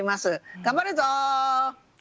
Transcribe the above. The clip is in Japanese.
頑張るぞ！